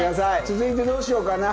続いてどうしようかな？